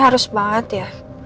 harus banget ya